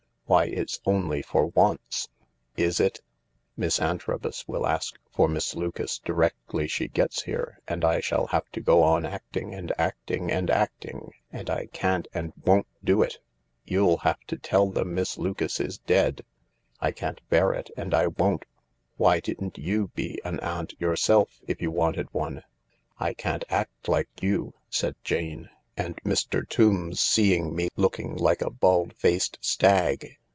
" Why, it's only for once !"" Is it ? Miss Antrobus will ask for Miss Lucas directly she gets here, and I shall have to go on acting and acting and acting, and I can't and won't do it. You'll have to tell them Miss Lucas is dead. I can't bear it and I won't. Why didn't you be an aunt yourself, if you wanted one ?"" I can't act like you," said Jane. "And Mr. Tombs seeing me looking like a bald faced stag."